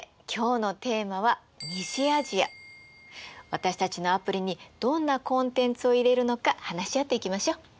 私たちのアプリにどんなコンテンツを入れるのか話し合っていきましょう。